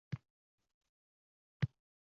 Ha, bu milliy o'ziga xoslikning elementlari